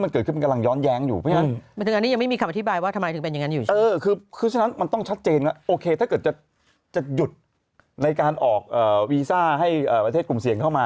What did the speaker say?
มันย้อนแย้งสิ่งนี้มันเกิดขึ้นมันกำลังย้อนแย้งอยู่